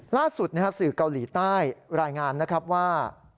ล่าสุดสื่อเกาหลีใต้รายงานนะครับว่า